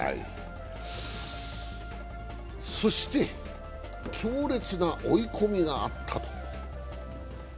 そして強烈な追い込みがあったと。